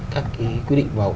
các cái quy định